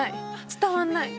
伝わんない。